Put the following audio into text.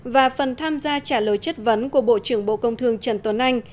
và phần tham gia trả lời chất vấn của bộ trưởng bộ công thương trần tuấn anh